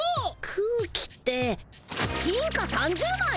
空気って金貨３０まい！？